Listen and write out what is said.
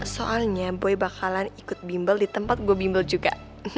soalnya boy bakalan ikut bimbel di tempat gue bimbel juga